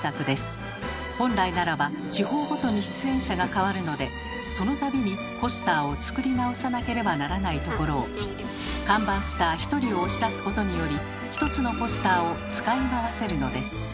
本来ならば地方ごとに出演者がかわるのでその度にポスターを作り直さなければならないところを看板スター１人を押し出すことにより１つのポスターを使いまわせるのです。